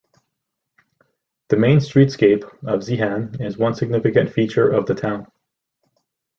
The main streetscape of Zeehan is one significant feature of the town.